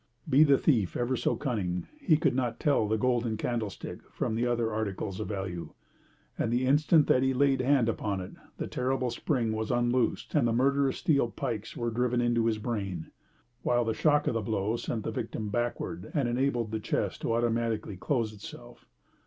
Be the thief ever so cunning he could not tell that golden candlestick from the other articles of value, and the instant that he laid hand upon it the terrible spring was unloosed and the murderous steel pikes were driven into his brain, while the shock of the blow sent the victim backward and enabled the chest to automatically close itself.